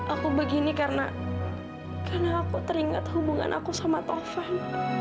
aku begini karena aku teringat hubungan aku sama tovan